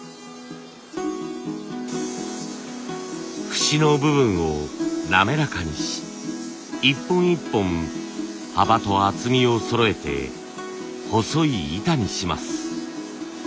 節の部分を滑らかにし一本一本幅と厚みをそろえて細い板にします。